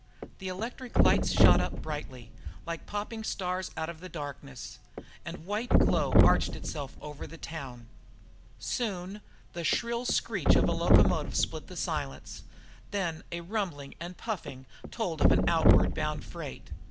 The electric lights shot up brightly, like popping stars out of the darkness, and white glow arched itself over the town. Soon the shrill screech of a locomotive split the silence, then a rumbling and puffing told of an outward bound freight.